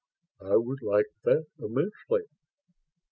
"I would like that immensely